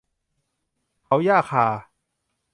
เผาหญ้าคา